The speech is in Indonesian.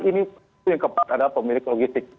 ini itu yang keempat adalah pemilik logistik